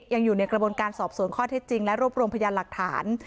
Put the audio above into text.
ยังอยู่ในกระบวนการสอบสวนข้อเท็จจริงและรวบรวมพยานหลักฐาน